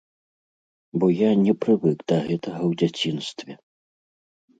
Бо я не прывык да гэтага ў дзяцінстве.